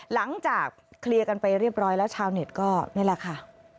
หลังจากเคลียร์กันไปเรียบร้อยแล้วชาวเน็ตก็นี่แหละค่ะ